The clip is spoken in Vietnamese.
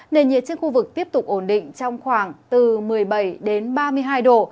nền nhiệt trên khu vực tiếp tục ổn định trong khoảng từ một mươi bảy đến ba mươi hai độ